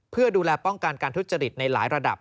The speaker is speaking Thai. เพื่อดูแลป้องกันการทุจริตในหลายระดับ